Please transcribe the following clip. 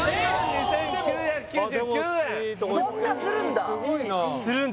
そんなするんだ？